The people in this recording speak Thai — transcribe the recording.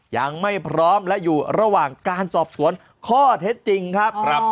ยังไม่พร้อมและอยู่ระหว่างการสอบสวนข้อเท็จจริงครับ